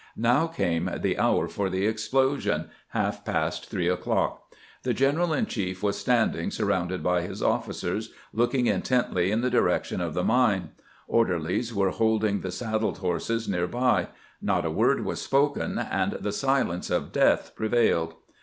Now came the hour for the explosion — half past three o'clock. The general in chief was standing, surrounded by his officers, looking intently in the direction of the mine ; orderlies were holding the saddled horses near by ; not a word was spoken, and the silence of death pre vailed.